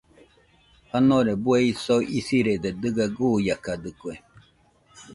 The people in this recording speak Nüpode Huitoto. Janore bue isoi isɨrede dɨga guiakadɨkue.